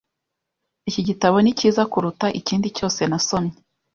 Iki gitabo ni cyiza kuruta ikindi cyose nasomye.